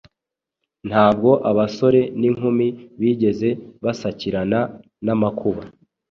Ntabwo abasore n’inkumi bigeze basakirana n’amakuba